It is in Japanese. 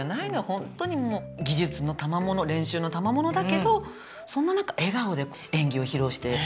ホントにもう技術のたまもの練習のたまものだけどそんな中笑顔で演技を披露して頂けるっていうね。